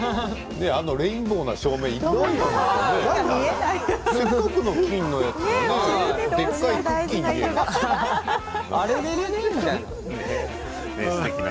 あのレインボーな照明いったのかな？